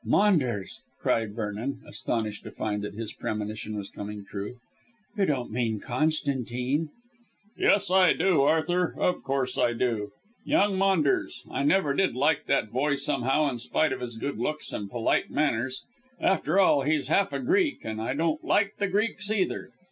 "Maunders!" cried Vernon, astonished to find that his premonition was coming true. "You don't mean Constantine?" "Yes, I do, Arthur; of course I do. Young Maunders. I never did like that boy somehow in spite of his good looks and polite manners. After all, he's half a Greek, and I don't like the Greeks either.